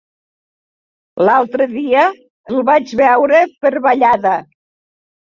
L'altre dia el vaig veure per Vallada.